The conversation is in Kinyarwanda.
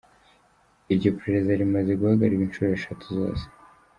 Iryo perereza rimaze guhagarikwa inshuro eshatu zose.